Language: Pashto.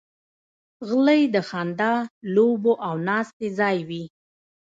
غلۍ د خندا، لوبو او ناستې ځای وي.